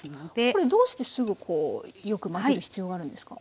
これどうしてすぐこうよく混ぜる必要があるんですか？